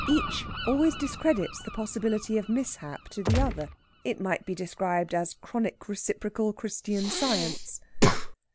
Each always discredits the possibility of mishap to the other. It might be described as chronic reciprocal Christian Science.